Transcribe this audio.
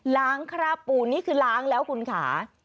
คราบปูนี่คือล้างแล้วคุณค่ะ